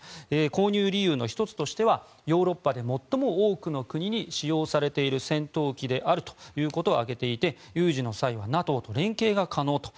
購入理由の１つとしてはヨーロッパで最も多くの国に使用されている戦闘機であるということを挙げていて有事の際はＮＡＴＯと連携が可能と。